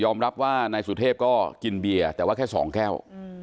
รับว่านายสุเทพก็กินเบียร์แต่ว่าแค่๒แก้ว